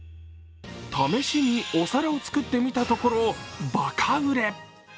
試しにお皿を作ってみたところ、バカ売れ。